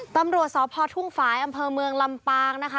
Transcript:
ตำรวจสพทุ่งฝ่ายอำเภอเมืองลำปางนะคะ